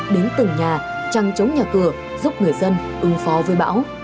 đến từng nhà trăng chống nhà cửa giúp người dân ứng phó với bão